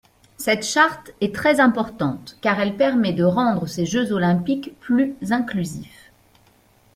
Cette charte est très importante, car elle permet de rendre ces Jeux olympiques plus inclusifs.